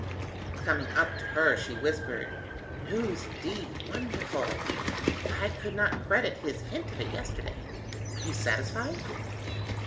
Coming up to her she whispered: "News, indeed! Wonderful! I could not credit his hint of it yesterday. Are you satisfied?"